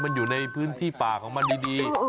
มันอยู่ในพื้นที่ป่าของมันดี